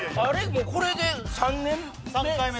もうこれで３年目？